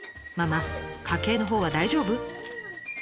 ママ家計のほうは大丈夫？